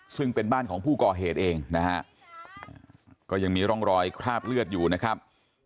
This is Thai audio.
ซึ่งเป็นบ้านของผู้ก่อเหตุเองนะฮะก็ยังมีร่องรอยคราบเลือดอยู่นะครับ